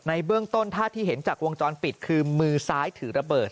เบื้องต้นถ้าที่เห็นจากวงจรปิดคือมือซ้ายถือระเบิด